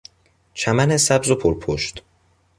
چمن سبز و پر پشت